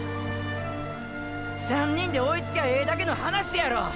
３人で追いつきゃええだけの話やろ。